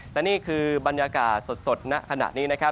และนี่คือบรรยากาศสดณขณะนี้นะครับ